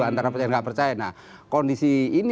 nah kondisi ini